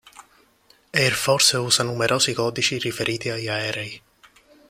Air Force usa numerosi codici riferiti agli aerei.